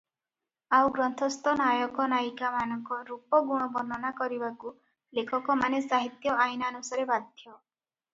ଆଉ ଗ୍ରନ୍ଥସ୍ଥ ନାୟକ ନାୟିକାମାନଙ୍କ ରୂପ ଗୁଣ ବର୍ଣ୍ଣନା କରିବାକୁ ଲେଖକମାନେ ସାହିତ୍ୟ ଆଇନାନୁସାରେ ବାଧ୍ୟ ।